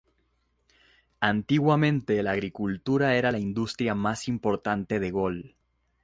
Antiguamente, la agricultura era la industria más importante de Gol.